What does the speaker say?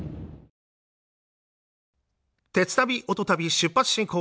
「鉄旅・音旅出発進行！」